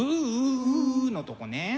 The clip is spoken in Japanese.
「」のとこね。